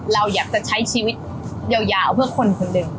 เราอยากจะใช้ชีวิตยาวเพื่อคนคนหนึ่ง